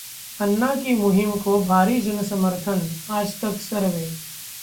अन्ना की मुहिम को भारी जनसमर्थन: आजतक सर्वे